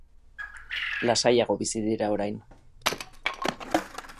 Lasaiago bizi dira orain.